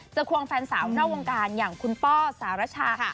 ควงแฟนสาวนอกวงการอย่างคุณป้อสารชาค่ะ